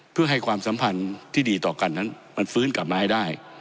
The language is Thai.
เพื่อให้ความสัมพันธ์ที่ดีต่อกันนั้นมันฟื้นกลับมาให้ได้